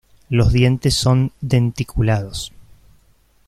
Los dientes son denticulados.